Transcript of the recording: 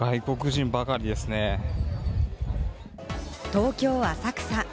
東京・浅草。